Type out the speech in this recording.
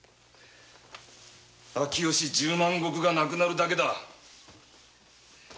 秋吉十万石がなくなるだけだ。